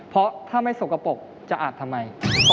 เพราะถ้าไม่สกปรกจะอาบทำไม